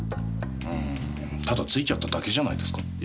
あただ付いちゃっただけじゃないですか？